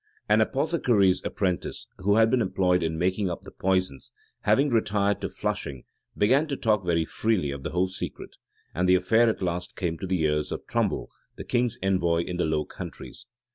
An apothecary's apprentice, who had been employed in making up the poisons, having retired to Flushing, began to talk very freely of the whole secret; and the affair at last came to the ears of Trumbal, the king's envoy in the Low Countries.